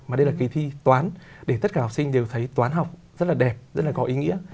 mà đây là kỳ thi toán để tất cả học sinh đều thấy toán học rất là đẹp rất là có ý nghĩa